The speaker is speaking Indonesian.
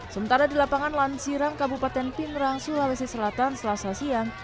sementara di lapangan lansiram kabupaten pinerang sulawesi selatan selasa siang